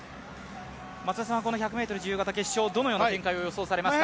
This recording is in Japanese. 松田さんは１００ｍ自由形決勝、どのような展開を予想されますか？